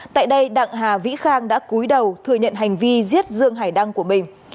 tại đây đặng hà vĩ khang đã cúi đầu thừa nhận hành vi giết dương hải đăng của mình